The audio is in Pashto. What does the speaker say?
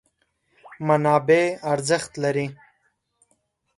منابع ارزښت لري.